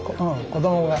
子どもが。